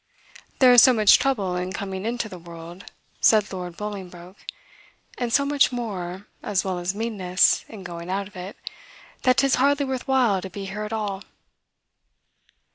"There is so much trouble in coming into the world," said Lord Bolingbroke, "and so much more, as well as meanness, in going out of it, that 'tis hardly worth while to be here at all."